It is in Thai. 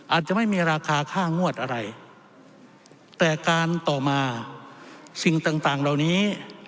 อาจจะไม่มีราคาค่างวดอะไรแต่การต่อมาสิ่งต่างต่างเหล่านี้